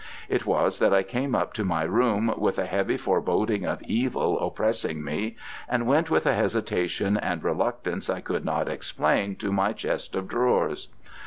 It was that I came up to my room with a heavy foreboding of evil oppressing me, and went with a hesitation and reluctance I could not explain to my chest of drawers.